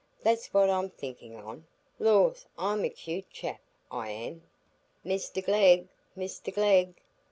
That's what I'm thinking on. Lors! I'm a 'cute chap,—I am." "Mr Glegg, Mr Glegg!"